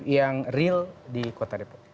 yang real di kota depok